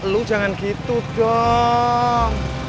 lo jangan gitu dong